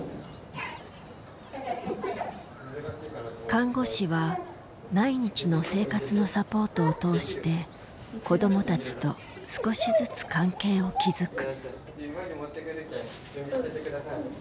看護師は毎日の生活のサポートを通して子どもたちと少しずつ関係を築く。